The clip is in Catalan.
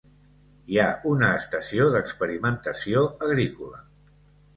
Hi ha una estació d'experimentació agrícola.